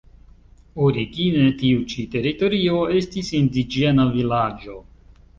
Origine tiu ĉi teritorio estis indiĝena vilaĝo.